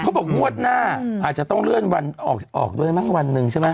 เขาบอกงวดหน้าเหมือนจะต้องเลื่อนเมื่อวันนึงใช่ไหม